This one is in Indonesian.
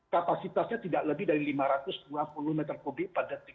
kapasitasnya tidak lebih dari lima ratus dua puluh m tiga per detik